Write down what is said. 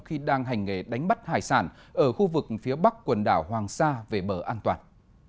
khi đang hành nghề đánh bắt hải sản ở khu vực phía bắc quần đảo hoàng sa về bờ an toàn